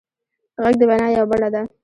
غږ د وینا یوه بڼه ده